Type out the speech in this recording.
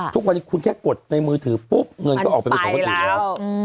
ทุกวันนี้คุณแค่กดในมือถือปุ๊บเงินก็ออกไปเป็นของคนอื่นแล้ว